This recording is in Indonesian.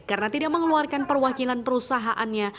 karena tidak mengeluarkan perwakilan perusahaannya